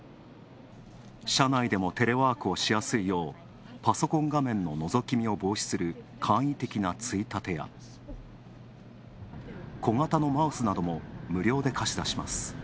車内でもテレワークをしやすいようパソコン画面の覗き見を防止する簡易的なついたてや小型のマウスなども無料で貸し出します。